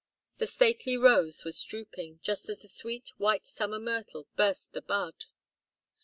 The stately rose was drooping, just as the sweet white summer myrtle burst the bud.